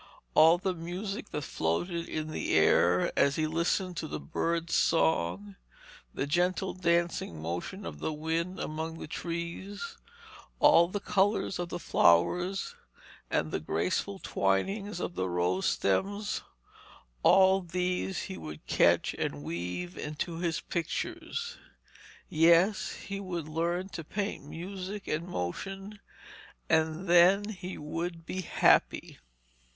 All the music that floated in the air as he listened to the birds' song, the gentle dancing motion of the wind among the trees, all the colours of the flowers, and the graceful twinings of the rose stems all these he would catch and weave into his pictures. Yes, he would learn to paint music and motion, and then he would be happy.